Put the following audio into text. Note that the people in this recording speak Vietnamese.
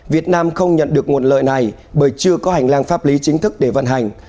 việt nam không nhận được nguồn lợi này bởi chưa có hành lang pháp lý chính thức để vận hành